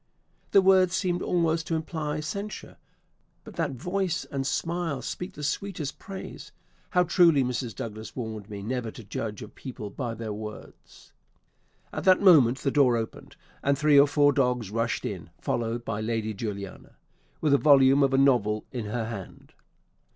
"The words seemed almost to imply censure; but that voice and smile speak the sweetest praise. How truly Mrs. Douglas warned me never to judge of people by their words." At that moment the door opened, and three or four dogs rushed in, followed by Lady Juliana, with a volume of a novel in her hand.